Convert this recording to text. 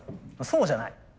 そうじゃない。